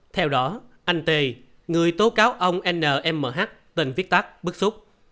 theo đó anh t người tố cáo ông nm tên viết tắt bức xúc